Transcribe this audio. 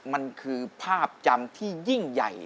มันคือภาพจำที่ยิ่งใหญ่